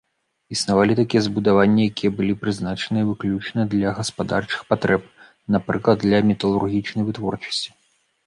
Існавалі такія збудаванні, якія былі прызначаныя выключна для гаспадарчых патрэб, напрыклад, для металургічнай вытворчасці.